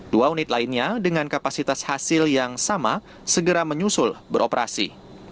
dua unit lainnya dengan kapasitas hasil yang sama segera menyusul beroperasi